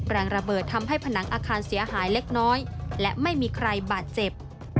แรงระเบิดทำให้ผนังอาคารเสียหายเล็กน้อยและไม่มีใครบาดเจ็บ